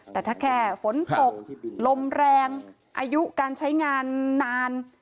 แต่ถ้าแค่ฝนตกลมแรงอายุการใช้งานนาน